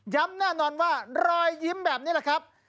แน่นอนว่ารอยยิ้มแบบนี้แหละครับ